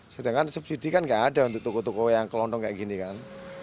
sedangkan subsidi kan nggak ada untuk toko toko yang kelontong kayak gini kan